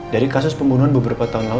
dari kasus pembunuhan beberapa tahun lalu